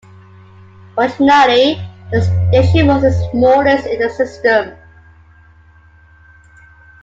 Originally, the station was the smallest in the system.